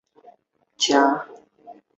可说都非完备的晋史。